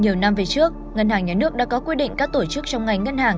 nhiều năm về trước ngân hàng nhà nước đã có quy định các tổ chức trong ngành ngân hàng